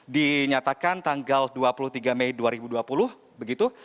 dinyatakan tanggal dua puluh tiga mei dua ribu dua puluh begitu